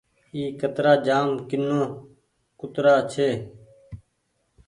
اي ڪترآ جآم ڪينو ڪترآ ڇي۔